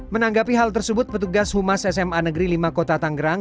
menanggapi hal tersebut petugas humas sma negeri lima kota tanggerang